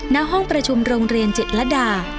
ณห้องประชุมโรงเรียนจิตรดา